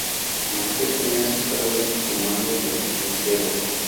Márquez tenía a su cargo el comando de los vaqueros.